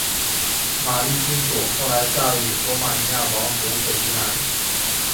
玛丽郡主后来嫁予罗马尼亚王储斐迪南。